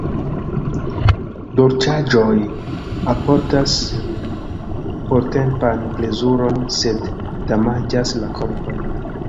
Dolĉaĵoj alportas portempan plezuron, sed damaĝas la korpon.